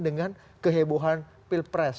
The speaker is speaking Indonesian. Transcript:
dengan kehebohan pilpres